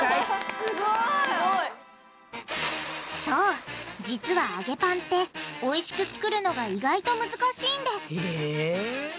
そう実は揚げパンっておいしく作るのが意外と難しいんですへぇ。